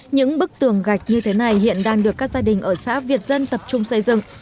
những bức tường gạch như thế này hiện đang được các gia đình ở xã việt dân tập trung xây dựng